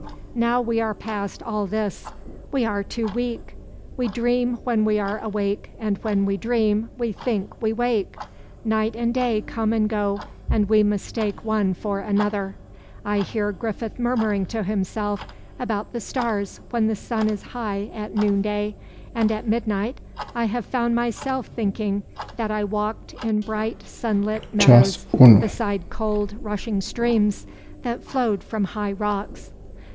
"Now we are past all this. We are too weak. We dream when we are awake and when we dream we think we wake. Night and day come and go and we mistake one for another; I hear Griffith murmuring to himself about the stars when the sun is high at noonday, and at midnight I have found myself thinking that I walked in bright sunlit meadows beside cold, rushing streams that flowed from high rocks.